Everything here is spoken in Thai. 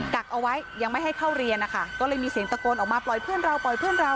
กักเอาไว้ยังไม่ให้เข้าเรียนนะคะก็เลยมีเสียงตะโกนออกมาปล่อยเพื่อนเราปล่อยเพื่อนเรา